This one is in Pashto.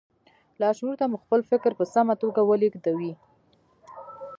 لاشعور ته مو خپل فکر په سمه توګه ولېږدوئ